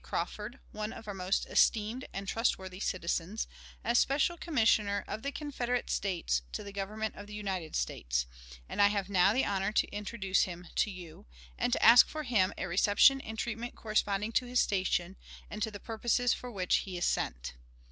Crawford, one of our most esteemed and trustworthy citizens, as special Commissioner of the Confederate States to the Government of the United States; and I have now the honor to introduce him to you, and to ask for him a reception and treatment corresponding to his station, and to the purposes for which he is sent.